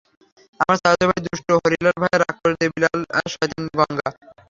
আমার চাচাতো ভাই দুষ্ট হারিলাল ভাইয়া, রাক্ষস দেবি লাল আর শয়তান গঙ্গা।